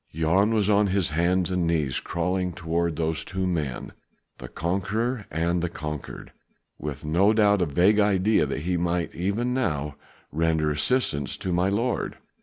Jan was on his hands and knees crawling toward those two men the conqueror and the conquered with no doubt a vague idea that he might even now render assistance to my lord.